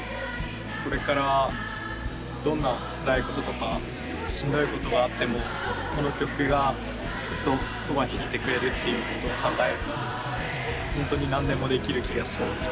これからどんなつらいこととかしんどいことがあってもこの曲がずっとそばにいてくれるっていうことを考えると本当に何でもできる気がします。